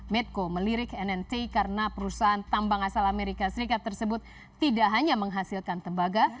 medco melirik nnt karena perusahaan tambang asal amerika serikat tersebut tidak hanya menghasilkan tembaga